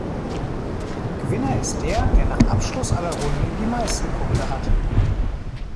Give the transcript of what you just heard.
Gewinner ist der, der nach Abschluss aller Runden die meisten Punkte hat.